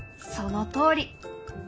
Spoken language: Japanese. そのとおり！